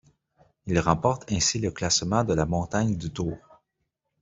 Il remporte ainsi le classement de la montagne du Tour.